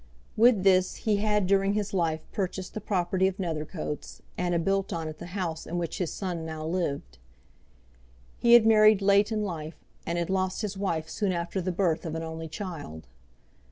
With this he had during his life purchased the property of Nethercoats, and had built on it the house in which his son now lived. He had married late in life, and had lost his wife soon after the birth of an only child.